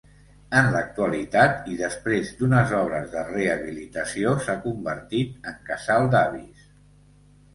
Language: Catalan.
En l'actualitat, i després d'unes obres de rehabilitació, s'ha reconvertit en casal d'avis.